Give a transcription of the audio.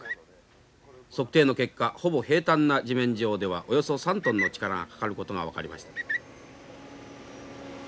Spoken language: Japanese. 測定の結果ほぼ平たんな地面上ではおよそ３トンの力がかかることが分かりました。